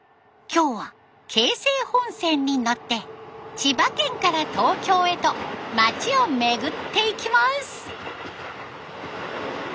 今日は京成本線に乗って千葉県から東京へと町を巡っていきます。